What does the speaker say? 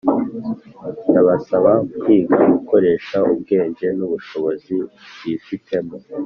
Ndabasaba kwiga gukoresha ubwenge n’ubushobozi bifitemo